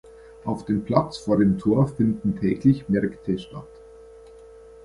Auf dem Platz vor dem Tor finden täglich Märkte statt.